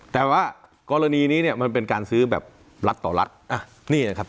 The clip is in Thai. แต่ว่ากรณีนี้เนี่ยมันเป็นการซื้อแบบรัฐต่อรัฐอ่ะนี่นะครับ